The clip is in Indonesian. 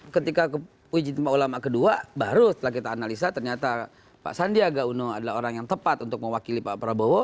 ketika uji temah ulama kedua baru setelah kita analisa ternyata pak sandiaga uno adalah orang yang tepat untuk mewakili pak prabowo